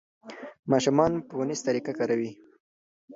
ماشومان فونس طریقه کاروي.